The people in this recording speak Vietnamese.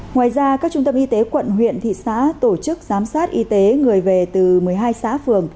ngoài ra các trung tâm y tế quận huyện thị xã tổ chức giám sát y tế người về từ một mươi hai xã phường